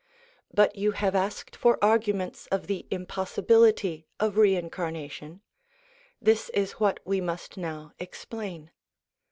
But you have asked for arguments of the impossi bility of reincarnation; this is what we must now explain.